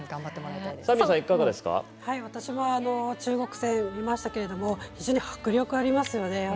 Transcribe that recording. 私は中国戦見ましたけれど非常に迫力ありますよね。